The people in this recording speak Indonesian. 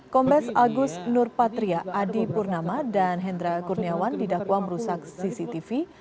kombes agus nurpatria adi purnama dan hendra kurniawan didakwa merusak cctv